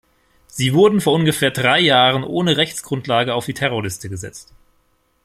Sie wurden vor ungefähr drei Jahren ohne Rechtsgrundlage auf die Terrorliste gesetzt.